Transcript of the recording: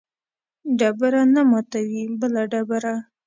ډبره نه ماتوي بله ډبره